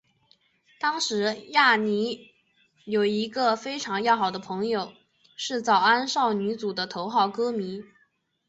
当时亚弥有一个非常要好的朋友是早安少女组的头号歌迷。